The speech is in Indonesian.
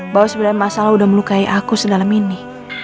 bahwa sebenarnya mas al udah melukai aku sedalam ini